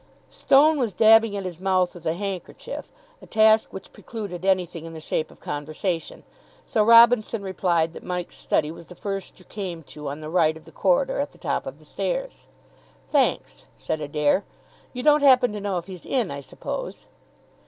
Stone was dabbing at his mouth with a handkerchief, a task which precluded anything in the shape of conversation; so Robinson replied that Mike's study was the first you came to on the right of the corridor at the top of the stairs. "Thanks," said Adair. "You don't happen to know if he's in, I suppose?"